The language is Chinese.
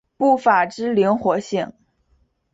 步法之灵活性。